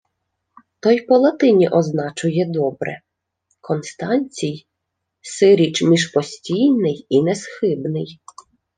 — То й по-латині означує добре: Констанцій — сиріч між постійний і несхибний.